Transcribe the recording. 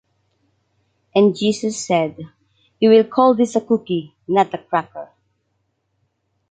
And Jesus said: “You will call this a cookie, not a cracker!”